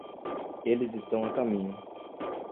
Eles estão a caminho.